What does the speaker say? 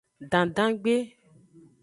Dandangbe.